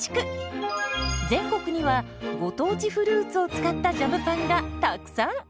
全国にはご当地フルーツを使ったジャムパンがたくさん！